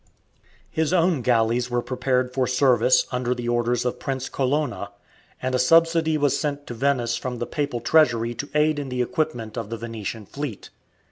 His own galleys were prepared for service under the orders of Prince Colonna, and a subsidy was sent to Venice from the papal treasury to aid in the equipment of the Venetian fleet.